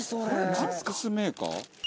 チップスメーカー？